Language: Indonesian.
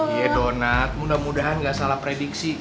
iya dona mudah mudahan ga salah prediksi